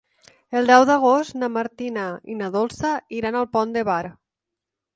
El deu d'agost na Martina i na Dolça iran al Pont de Bar.